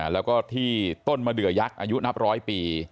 แล้วก็ที่ต้นมะเดือยักษ์อายุนับร้อยปี